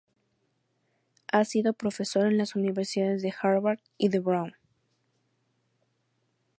Ha sido profesor en las universidades de Harvard y de Brown.